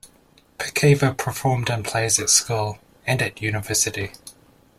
Pickhaver performed in plays at school and at university.